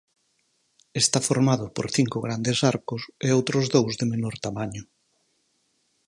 Está formada por cinco grandes arcos e outros dous de menor tamaño.